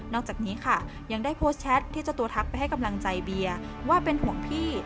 จากนี้ค่ะยังได้โพสต์แชทที่เจ้าตัวทักไปให้กำลังใจเบียร์ว่าเป็นห่วงพี่